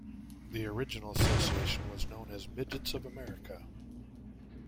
The original association was known as Midgets of America.